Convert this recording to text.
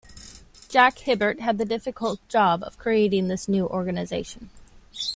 Jack Hibbert had the difficult job of creating this new organisation.